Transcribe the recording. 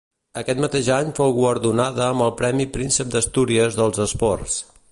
Aquest mateix any fou guardonada amb el Premi Príncep d'Astúries dels Esports.